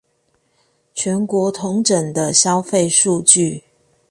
全國統整的消費數據